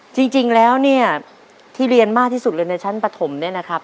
จริงแล้วเนี่ยที่เรียนมากที่สุดเลยในชั้นปฐมเนี่ยนะครับ